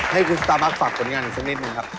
ให้คุณสตาร์มากฝากผลงานอีกสักนิดนึงครับ